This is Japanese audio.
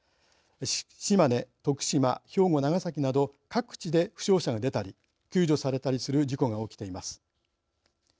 島根、徳島、兵庫、長崎など各地で負傷者が出たり救助されたりする事故が起きています。